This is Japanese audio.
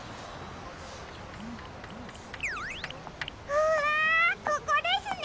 うわここですね！